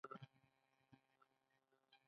پلار ولې د کور چت دی؟